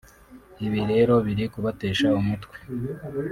Ibi rero biri kubatesha umutwe